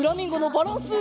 バランス！